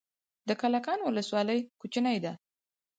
د کلکان ولسوالۍ کوچنۍ ده